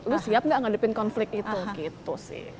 lu siap gak ngadepin konflik itu